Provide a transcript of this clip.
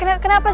kirain ada apaan